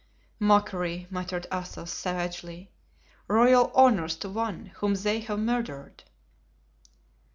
"Mockery," muttered Athos, savagely; "royal honors to one whom they have murdered!"